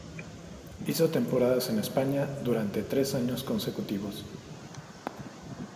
Hizo temporadas en España durante tres años consecutivos.